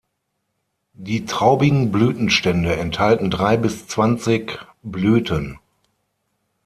Die traubigen Blütenstände enthalten drei bis zwanzig Blüten.